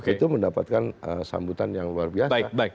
itu mendapatkan sambutan yang luar biasa